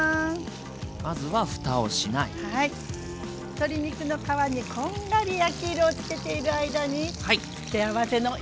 鶏肉の皮にこんがり焼き色をつけている間に付け合わせの野菜の準備よ。